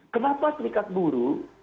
kenapa serikat buru